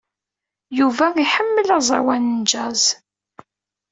Yuba iḥemmel aẓawan n jazz.